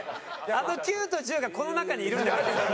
あの９と１０がこの中にいるんだからさ。